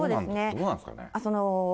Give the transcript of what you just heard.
どうなんですかね。